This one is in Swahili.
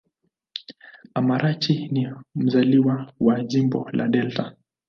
Amarachi ni mzaliwa wa Jimbo la Delta.